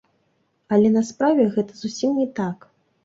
Але на справе гэта зусім не так.